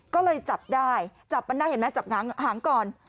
ก็เลยจับได้จับมันได้เห็นไหมจับงก่อน